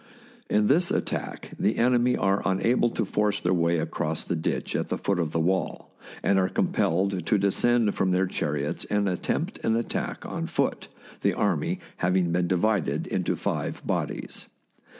In this attack the enemy are unable to force their way across the ditch at the foot of the wall, and are compelled to descend from their chariots and attempt an attack on foot, the army having been divided into five bodies.